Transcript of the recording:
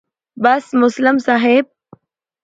بس مسلم صاحب